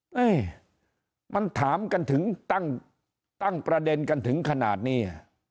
เฮ้ยมันถามกันถึงตั้งประเด็นกันถึงขนาดนี้